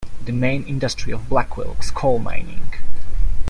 The main industry of Blackwell was coal mining.